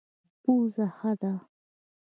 پوزه ښه ده.